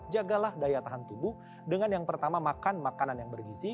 jagalah daya tahan tubuh dengan yang pertama makan makanan yang bergizi